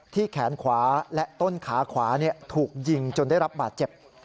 แขนขวาและต้นขาขวาถูกยิงจนได้รับบาดเจ็บ